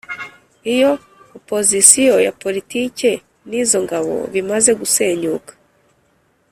Iyo opozisiyo ya poritiki n izo ngabo bimaze gusenyuka